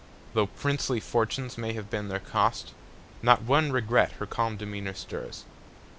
Though princely fortunes may have been their cost, Not one regret her calm demeanor stirs.